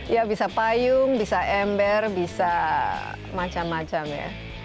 ya bisa payung bisa ember bisa macam macam ya